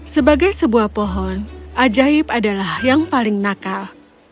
sebagai sebuah pohon ajaib adalah yang paling nakal